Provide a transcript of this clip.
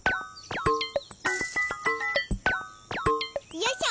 よいしょ。